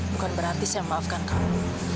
bukan berarti saya maafkan kamu